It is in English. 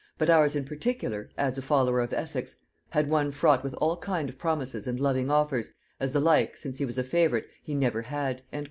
"But ours in particular," adds a follower of Essex, "had one fraught with all kind of promises and loving offers, as the like, since he was a favorite, he never had."